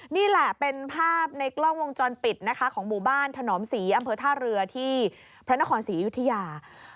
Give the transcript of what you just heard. นี่แหละเป็นภาพในกล้องวงจรปิดนะคะของหมู่บ้านถนอมศรีอำเภอท่าเรือที่พระนครศรีอยุธยา